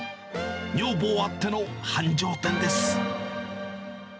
女房あっての繁盛店です。